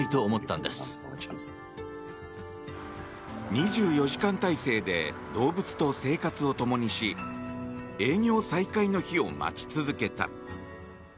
２４時間態勢で動物と生活を共にし営業再開の日を待ち続けた。